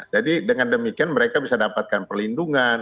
jadi dengan demikian mereka bisa dapatkan perlindungan